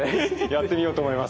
やってみようと思います。